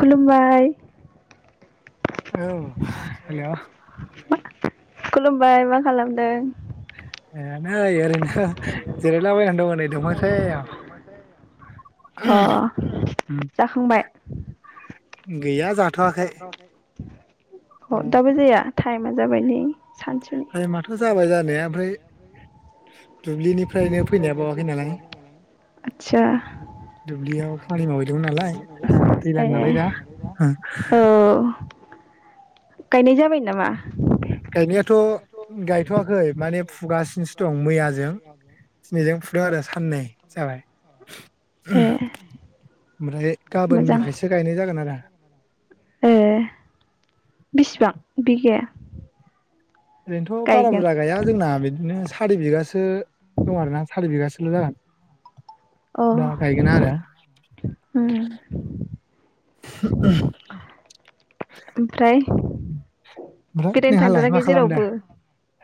खुलुमबाय। औ हेल'। खुलुमबाय मा खालामदों? ओ‌ नै ओरैनो जिरायला बायना दं नै दंफां सायायाव। [inaudible] अ' जाखांबाय? गैया जा गैया जाथ'वाखै। औ अ' दाबो जाया? टाइमा जाबाय नै। सानसुनि टाइमाथ' जाबाय जानाया ओमफ्राय [inaudible] दुब्लिनिफ्रायनो फैनाया बावाखै नालाय आदसा दुब्लियाव खामानि मावहैदोंमोन नालाय आं ए दैलां नालाय दा ओं। औ गायनाय जाबाय नामा? गायनायाथ' गायथ'वाखै। माने फुगासिनोसो दं मैयाजों दिनैजों फुदों आरो साननै जाबाय ए ओमफ्राय मोजां गाबोननिफ्रायसो गायनाय जागोन आरो। ए बिसिबां बिगाया? ओरैनोथ' बारा गायगोन बुरजा गाया जोंना बिदिनो सारि बिगासो दं आरोना सारि बिगासो ल' जागोन। अ दा गायगोना आरो। उम ओमफ्राय बेरायनो थांथाराखै जेरावबो?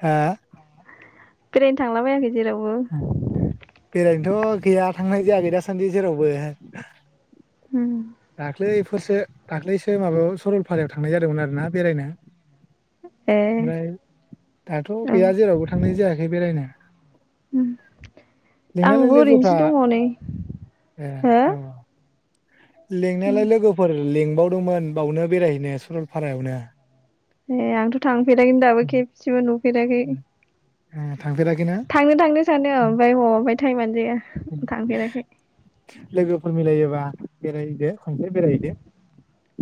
हो? बेरायनो थांलाबायाखै जेरावबो? थ' गैया थांनाय जायाखै दासान्दि जेरावबो। उम। दाख्लैफोरसो दाख्लैसो माबायाव सरलपारायाव थांनाय जादोंमोन आरोना बेरायनो। ए ओमफ्राय दाथ' औ गैया जेरावबो थांनाय जायाखै बेरायनो। उम लिंनायालाय आंबो ओरैनोसो लोगोफ्रा दङ नै हो। उम लेंनायालाय लोगोफोर लेंबाव दंमोन बावनो बेरायहैनो सरलपारायावनो। ए आंथ' थांफेरलााखै दाबो खेबसेबो नु फेराखै। ओ [inaudible] थांनो थांनो सानो औ ओमफ्राय ह टाइमानो जाया थांफेराखै। लोगोफोर मिलायोबा बेरायहैदो। खनसे बेरायहैदो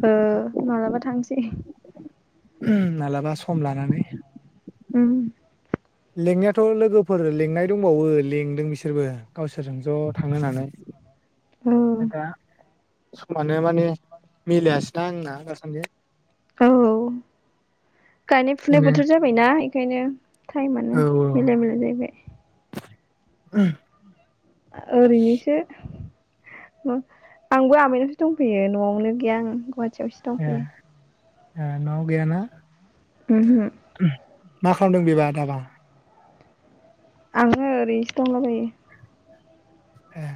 ओ मालाबा थांनोसै। [unintelligible] माबलाबा सम लानानै। उम। लेंनायाथ' लोगोफोर लेंनाय दंबावो लेंदों बिसोरबो गावसोरजों ज' थांनो होननानै। औ आदा समानो माने मिलायासैना आंना दासान्दि। औ गायनाय फुनाय ओंखायनो बोथोर जाबायना ओंखायनो। टाइमानो औ मिलाया मिलाया जाहैबाय। [unintelligible] ओरैनोसो आंबो आमायनावसो दंफैयो न'आवनो गैया आं गुवा थियावसो ए दंफैयो। ए न'आव गैया ना? उम हो। मा खालामदों बेबा दाबा? आङो ओरैसो दंलाबायो। ए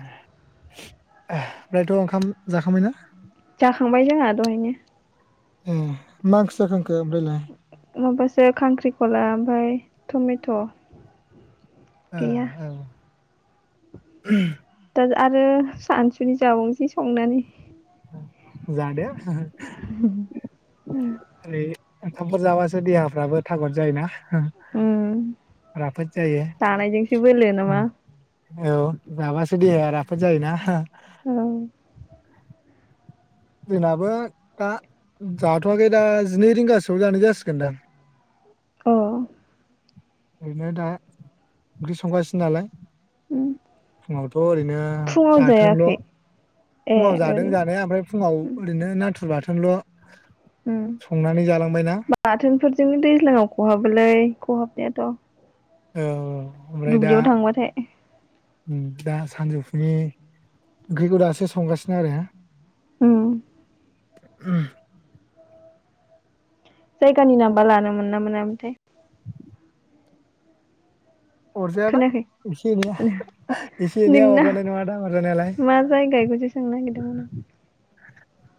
ओमफ्रायथ' ओंखाम जाखांबाय ना। जाखांबाय जोंहा दहायनो। ए मा ओंख्रै जाखांखो ओमफ्रायलाय? माबासो खांख्रिखला ओमफ्राय टमेट'। ओ गैया औ। [unintelligible] दा आरो सानसुनि जाबावनोसै संनानै। जादो। [unintelligible] ओंखामफोर जाबासो देहाफ्राबो थागद जायो ना। उम जायो जानाय जोंसो बोलो नामा? औ जाबासो देहाया राफोद जायोना? औ जोंनाबो दा जाथ'वाखै दा जिनै रिंगासोआव जानाय जासिगोनदां। औ ओरैनो दा ओंख्रि संगासिनो नालाय फुंङावथ' ओरैनो फुङाव बाथोनल' जायाखै ए फुंङाव जादों ओरै जानाया ओमफ्राय फुंङाव ओरैनो नाथुर बाथो थोन ल उम बाथोनफोरजोंनो दैज्लांङाव खहाबोलै खहाबनाया। थ' औ औ दुब्लियाव थांबाथाय। उम दा सानजौफुनि ओंख्रिखौ दासो संगासिनो आरो। उम उम जायगानि नाम बा लानो मोन ना मोना मोनथाय? [unintelligible] अरजाया ना खोनायाखै एसे एनैया एसे एनैया नोंना अरजानाय नंङादां अरजानायालाय। मा जायगा बेखौसो सोंनो नागिरदोंमोन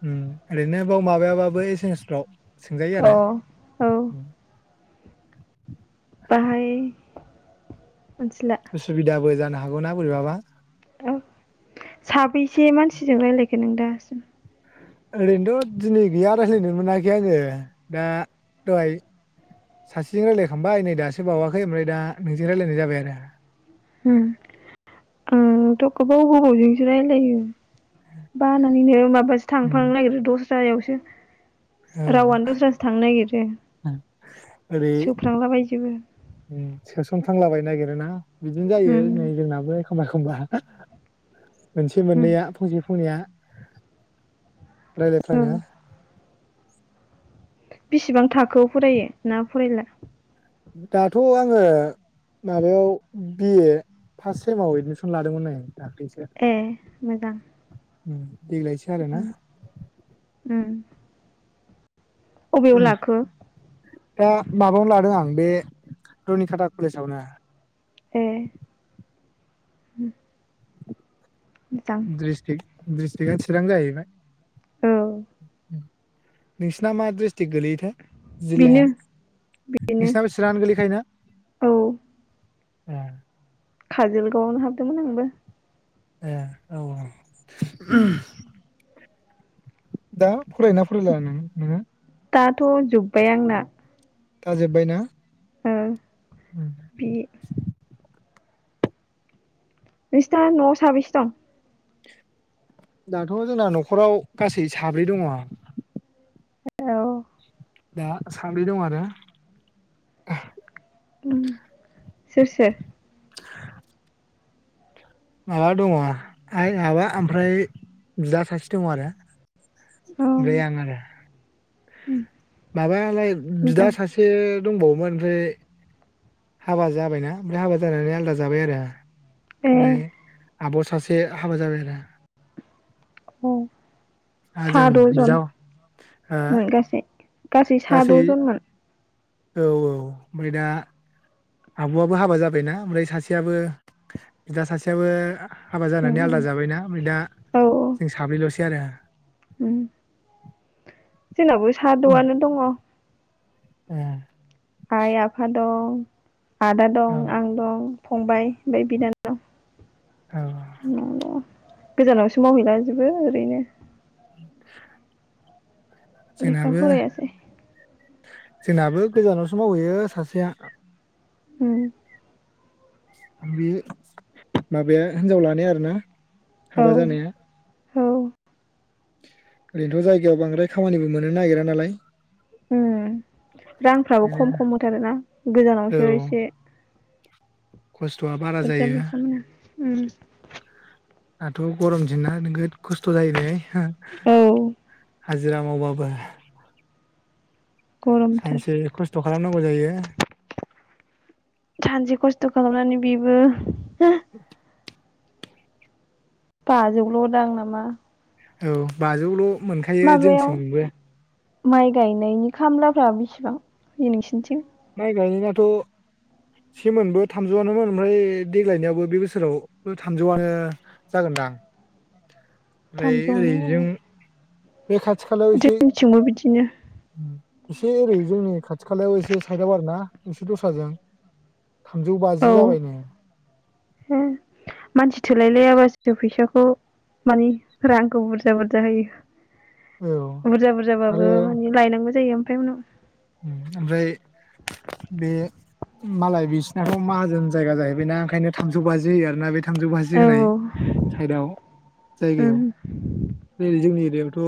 उम ओरैनो बाव माबायाबाबो एसेमेसफ्राव। सोंजायो आरो आं अ औ उम बाहाय मिथिला उसुबिदाबो जानो हा हागौना बोरैबाबा। औ साबैसे मानसिजों रायलायखो नों दासिम? ओरैनोथ दिनै गैया रायज्लायनो मोनाखै आंङो दा दहाय सासेजों रायलायखांबाय नै दासो बावाखै ओमफ्राय दा नोंजों रायजलायनाय जाबाय आरो। उम आंथ‌ गोबाव गोबावजोंसो रायलायो। बानानैनो माबासो थांफां उम नागिरो दस जायावसो औ रावानो दस्रासो थांनो नागिरो ओरै सोफ्रांलाबायजोबो। उम सोसन फ्रांलाबायनो नागिरो ना? बिदिनो जायो उम नै जोंनाबो एखमबा खमबा मोनसे उम मोननैया फंसे फंनैया औ रायलायफ्लांङो। बेसिबां थाखोआव फरायो ना फरायला? दाथ आङो माबायाव बि ए फार्स्ट सेमाव एदमिसन लादोंमोननाय आं। ए मोजां। उम। देग्लायसो आरोना। उम उम अबेयाव उम लाखो? दा माबायावनो लादों आं बे रुनिकाटा कलेजावनो ए [inaudible] मोजां द्रिस्ट्रिक दिस्ट्रिका चिरां जाहैबाय औ [inaudible] नोंसिना मा द्रिस टिक गोलैयोथाय बेनो जिल्लाया बेनो नोंसिना चिरां गोलैखायो ना? ओ काजलगावावनो हाबदोंमोन आंबो ए औ उम औ [inaudible] दा फरायो ना फरायला नों नोङो दाथ जोब्बाय आंना थाजोब्बायना ओ बि नोंसिना नवाव साबैसे दं? दाथ जोंना नखराव गासै साब्रै दङ। औ दा सांब्रै दङो आरो उम सोर सोर [inaudible] आबा दङ आइ आबा ओमफ्राय बिदा सासे दङ आरो औ आमफ्राय उम आं आरो माबालाय बिदा मोजां सासे दंबावोमोन ओमफ्राय हाबा जाबायना ओमफ्राय हाबा जानानै आलादा जाबाय आरो। ए ओमफ्राय आब सासे हाबा जाबाय आरो औ जों बिदा ओ सादजनमोन गासै गासै सादजनमोन। औ औ ओमफ्राय दा आबवाबो हाबा जाबायना ओमफ्राय सासेयाबो बिदा सासेयाबो हाबा उम जानानै उम आलादा जाबायना ओमफाय दा जों साब्रैलसै आरो [inaudible] उमह जोंनावबो सादवानो दङ ए आइ आफा दं आदा दं औ आं दं फंबाय ओमफ्राय बिनानाव औ नआव दङ गोजानावसो मावहैलाजोबो ओरैनो [inaudible] लेखा जोंनाबो फराय आसै जोंनाबो गोजानावसो मावहैयो सासेया ओम बे माबाया हिनजाव लानाया आरो ना औ हाबा जानाया औ ओरैनोथ' जायगायाव बांद्राय खामानिबो मोननो नागिरा नालाय ओम रांफ्राबो ओंखायनो खम खम होथारोना औ गोजानावसो एसे खस्थ'आ बारा जायो ओम दाथ' गरम दिन ना नोगोद खस्थ' जायो नै हा औ हाजिरा मावबाबो गरमथार सानसे खस्थ' खालामनांगौ जायो सानसे खस्थ' खालामनानै बेबो [inaudible] बाजोबोल' दां नामा औ बाजौल' मोनखायो माबायाव जोंथिंबो माइ गायनायनि खामलाफ्रा बेसिबां नोंसिनिथिं माइ गायनायथ' सेमोनबो थामजौआनोमोन ओमफ्राय देग्लायनायावो बे बोसोराव थामजौआनो जागोनदां ओमफ्राय थामजौनो ओरैजों बे खाथि खालायाव एसे जोंनिथिंबो बिदिनो एसे ओरै जोंनि खाथि खालायाव एसे साइदआव आरोना एसे दस्राजों थामजौ औ बाजि जाबाय नो मानसि थोलायलायाबासो फैसाखौ मानि रांखौ बुरजा बुरजा होयो। औ बुरजा बुरजाबाबो आरो माने लायनांगौ जायो। ओमफ्राय उनाव। ओमफ्राय बे मालाय बिसिनाथ' माहाजोन जायगा जाहैबायना ओंखायनो थामजौ बाजि होयो आरोना बे। थामजौ बाजि औ होनाय साइदआव औ जायगायाव जोंनि एरियाव' द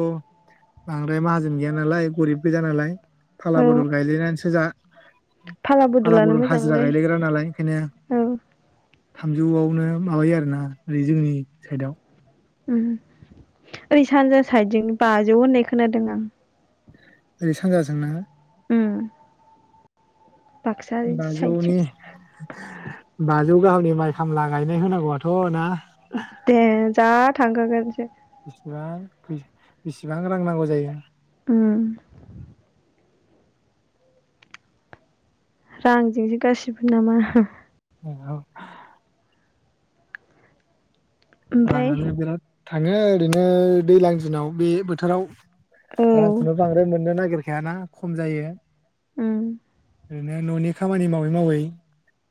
आं। ओमफ्राय माहाजोन गैया नालाय गोरिब। बेजा नालाय फाला औ बदल गायलायनानैसो जा फाला बदलानो बदल हाजिरा मोजांलै गायलायग्रा नालाय ओंखायनो। औ थामजौआवनो माबायो आरोना ओरै जोंनि साइदआव। ओरै सानजा साइदजों बाजौ होननाय खोनादों आं। ओरै सानज्राजोंना। ओम बाजौनि। बाजौ गाहामनि माइ खामला गायनाय होनांगौआथ' ना। दे जा थांगोगोनसै। बांसा बिसेबां रां नांगौ जायो। उम रांजोंसो गाससिबो नामा औ। ओमफ्राय राङानो बिराद। थाङो ओरैनो दैजलां दिनाव बे बोथोराव। औ रांखौनो बांद्राय मोननो नागिर। फिायाना खम जायो। ओम। ओरैनो न'नि खामानि मावै मावै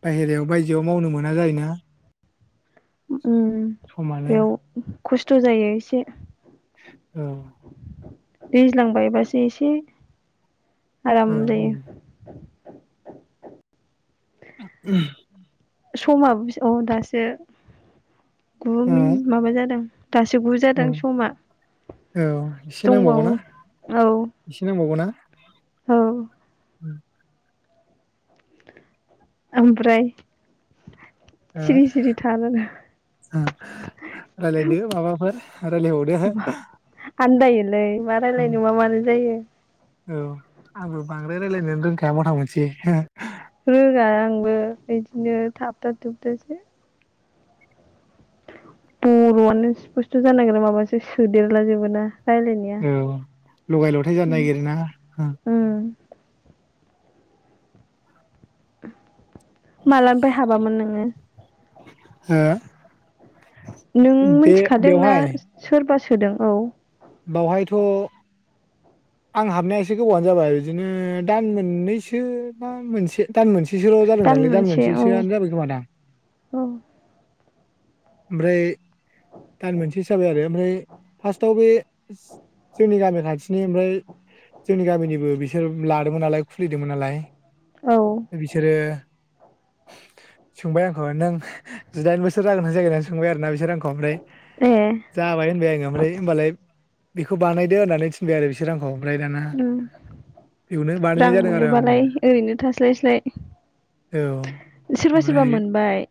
बाहेरायाव बायजोआव मावनो मोना जायोना। उम समानो बेयाव। खस्थ' जायो एसे औ। दैज्लांबायबासो एसे औ आरामल। उम समाबो औ दासो गु ओ मिनिट माबा जादों दासो औ गुजादों समा औ एसे दंबावो नांबावगौनाा औ एसे नांबावगौ ना। औ। उम ओमफ्राय सिरि सिरि थार ओ रायलायदो माबाफोर रायलायबावदो आन्दायोलै मा रायलायनो मा मानो जायो औ आंबो बांद्राय रायजलायनो रोंखाया मथा मथि रोङा आंबो बिदिनो थाबथा थुबथा सो बर'आनो स्पुस्थ' जानागिरा माबा सो-सोदेरला जोबोना रायलायनाया औ लगाय लथाय जानो नागिरो ना। उम [inaudible] मालानिफ्राय हाबामोन नोङो? हा नों मिथिखादोंना सोरबा सोदों औ। बावहायथ' आं हाबनाया एसे गोबावानो जाबाय बिदिनो दान मोननैसो बा मोनसे दान मोनसेसोल' जादोंदांलै दान मोनसे औ मोनसेसोआनो जाबाय खोमा दां। औ ओमफ्राय दानमोनसेसो जाबाय आरो ओमफ्राय फार्स्टआव बे जोंनि गामि खा नोंसिनि ओमफ्राय जोंनि गामिनिबो बिसोर लादोंमोन नालाय खुलिदोंमोन नालाय। औ बिसोरो सोंबाय आंखौ नों जिदाइन बोसोर जागोना ज जायाखै होननानै सोंबाय आरो ना बिसोर आंखौ ओमफ्राय ए जाबाय होनबाय आङो ओमफ्राय होनबालाय बेखौ बानायदो होननानै थिनबाय आरो बिसोर आंखौ। ओमफ्राय दाना ओ बेयावनो रां बानायनाय जादों आरो आंबो मोनोबालाय ओरैनो थास्लायस्लाय औ सोरबा ओमफ्राय सोरबा मोनबाय।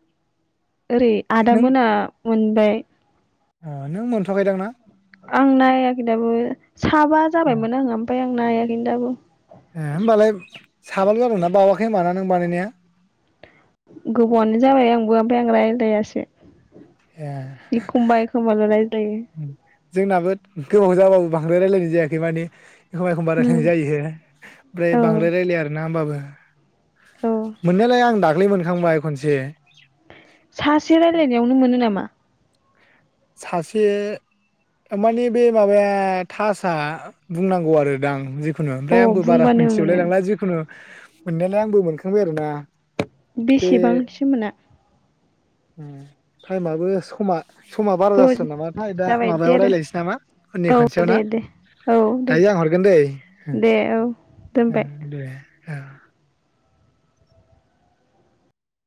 ओरै आदा नों मोना मोनबाय। [inaudible] अ नों मोनथ'आखै दां ना? आं नायाखै दाबो साबा ए जाबायमोन आङो ओमफाय आं नायाखैनो दाबो। ए होमबालाय साबाल' जादोंना। बावाखै होमबा ना नों बानायनाया? गोबावानो जाबाय आंबो ओमफाय आं रायज्लायासो। एखमबा एखमबा ल' लाय उम जोंनाबो गोबाव जाबाबो बांद्राय रायलायनाय जायाखै माने एखमबा एखमबा उम रायलायनाय जायो ओमफ्राय औ बांद्राय रायलाया आरो ना होनबाबो। औ मोननायालाय आं दाख्लै मोनखांबाय खनसे। सासे रायलायनायावनो मोनो नामा? सासे माने बे माबाया थासआ बुंनांगौ आरो दां जि ओ अ ओमफ्राय आंबो बारा बुंबानो मोन्थिजुबलाय मोनो लांला जिखुनु मोननायालाय आंबो मोनखांबाय आरो ना। बेसेबांसो मोना? टाइमाबो समा समा बारा औ जासिगोन नामाथाय दा जाबाय दे माबायाव आरो रायज्लायनोसै नामा उननि औ खनसेयाव ना दे दे औ दे दायो आं हरगोन दैे हो दे औ हो दोनबाय दे [inaudible]